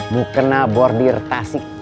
mukena bordir tasik